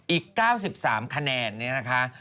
อีก๙๓คะแนนเนี่ยนะคะ